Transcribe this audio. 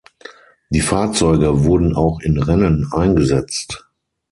Die Fahrzeuge wurden auch in Rennen eingesetzt.